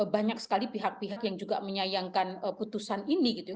banyak sekali pihak pihak yang juga menyayangkan putusan ini gitu